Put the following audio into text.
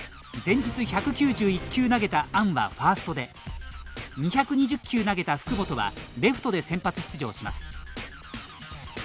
前日、１９１球投げたアンはファーストで２２０球投げた福本はレフトで先発出場します。